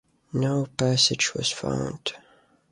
No passage was found.